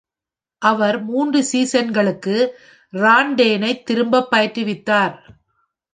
அவர் மூன்று சீசன்களுக்கு ரான் டேனைத் திரும்பப் பயிற்றுவித்தார்.